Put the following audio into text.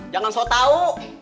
jangan sok tau